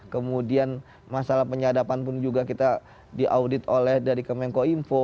kemudian masalah penyadapan pun juga kita diaudit oleh dari kemenko info